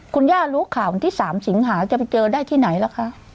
คุณย่ารู้ข่าววันที่๓สิงหาจะไปเจอได้ที่ไหนล่ะคะ